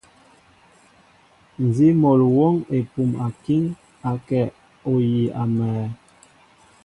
Nzi mol awɔŋ epum akiŋ, akɛ ohii amɛɛ.